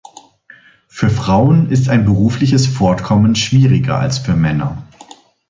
Für Frauen ist ein berufliches Fortkommen schwieriger als für Männer.